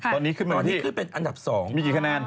ตอนนี้ขึ้นมาที่อันดับ๒มีกี่คะแนน